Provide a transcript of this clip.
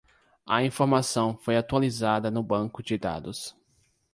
A informação foi atualizada no banco de dados.